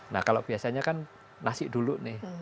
nah kalau biasanya kan nasi dulu nih